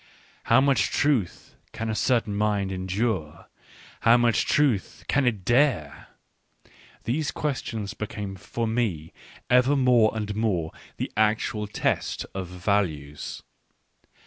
How much truth can a certain mind en dure ; how much truth can it dare ?— these ques tions became for me ever more and more the actual test of values.